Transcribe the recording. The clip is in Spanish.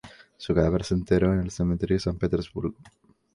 Su cadáver se enterró en el cementerio de San Petersburgo.